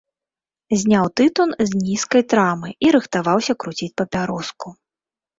Зняў тытун з нізкай трамы і рыхтаваўся круціць папяроску.